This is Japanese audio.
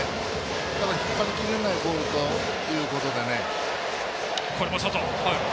ただ、引っ張りきれないボールということでね。